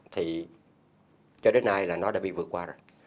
thì cho đến nay là nó đã bị vượt qua rồi